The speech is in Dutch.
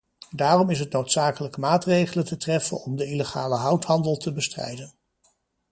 Daarom is het noodzakelijk maatregelen te treffen om de illegale houthandel te bestrijden.